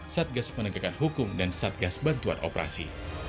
satgas penegakan hukum dan satgas bantuan operasi